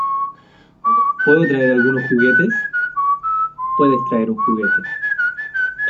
¿ Puedo traer algunos juguetes? Puedes traer un juguete.